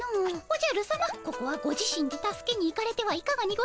おじゃるさまここはご自身で助けに行かれてはいかがにございましょう？